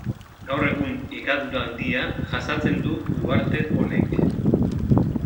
Gaur egun higadura handia jasaten du uharte honek.